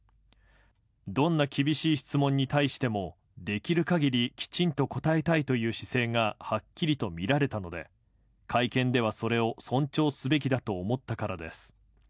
どんな厳しい質問に対しても、できるかぎりきちんと答えたいという姿勢がはっきりと見られたので、会見ではそれを尊重すべきだと思ったからです。